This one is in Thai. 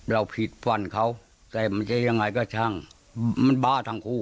เราผิดฟันเขาแต่มันจะยังไงก็ช่างมันบ้าทั้งคู่